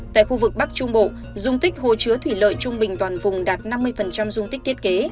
tại khu vực bắc trung bộ dung tích hồ chứa thủy lợi trung bình toàn vùng đạt năm mươi dung tích thiết kế